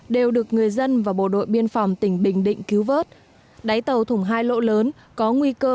đều được người dân và bộ đội biên phòng tỉnh bình định cứu vớt đáy tàu thùng hai lỗ lớn có nguy cơ